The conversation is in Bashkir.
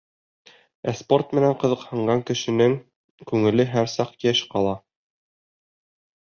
Ә спорт менән ҡыҙыҡһынған кешенең күңеле һәр саҡ йәш ҡала.